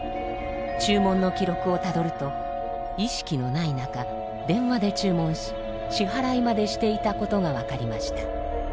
注文の記録をたどると意識のない中電話で注文し支払いまでしていたことが分かりました。